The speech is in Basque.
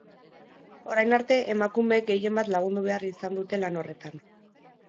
Orain arte emakumeek gehienbat lagundu behar izan dute lan horretan.